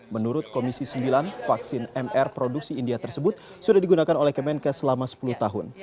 menurut komisi sembilan vaksin mr produksi india tersebut sudah digunakan oleh kemenkes selama sepuluh tahun